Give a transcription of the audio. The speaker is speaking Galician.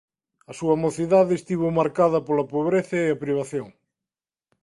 A súa mocidade estivo marcada pola pobreza e a privación.